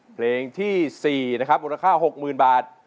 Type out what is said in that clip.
เพลงที่มีนางคา๖๐๐๐๐บาท